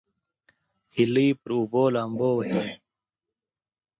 هیلۍ پر اوبو لامبو وهي